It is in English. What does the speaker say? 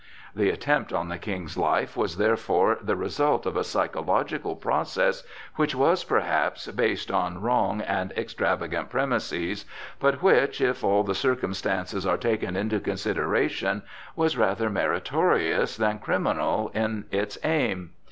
The attempt on the King's life was therefore the result of a psychological process which was, perhaps, based on wrong and extravagant premises, but which, if all the circumstances are taken into consideration, was rather meritorious than criminal in its aim.